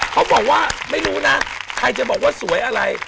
เขาบอกว่าไม่รู้นะใครจะบอกว่าสวยอะไร